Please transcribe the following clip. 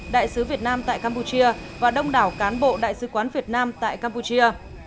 đại sứ việt nam tại campuchia và đông đảo cán bộ đại sứ quán việt nam tại campuchia